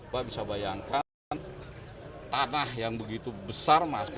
pak bisa bayangkan tanah yang begitu besar mas